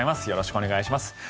よろしくお願いします。